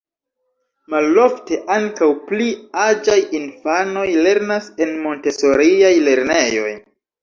Malofte ankaŭ pli aĝaj infanoj lernas en Montesoriaj lernejoj.